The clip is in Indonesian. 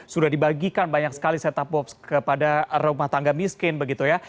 sudah dibagikan banyak sekali set top box kepada rumah tangga miskin begitu ya